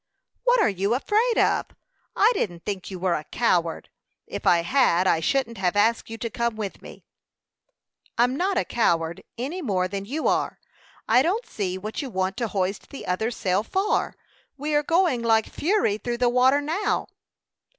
"What are you afraid of? I didn't think you were a coward. If I had, I shouldn't have asked you to come with me." "I'm not a coward, any more than you are. I don't see what you want to hoist the other sail for; we are going like fury through the water now."